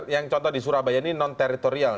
yang contoh di surabaya ini non teritorial